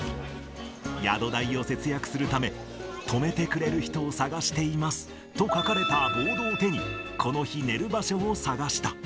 宿代を節約するため、泊めてくれる人を探していますと書かれたボードを手に、この日、寝る場所を探した。